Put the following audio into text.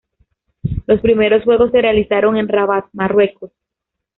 Los primeros juegos se realizaron en Rabat, Marruecos.